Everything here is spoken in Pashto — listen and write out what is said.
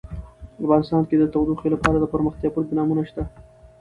افغانستان کې د تودوخه لپاره دپرمختیا پروګرامونه شته.